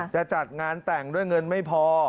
จะจัดงานแต่งด้วยเงินไม่พอ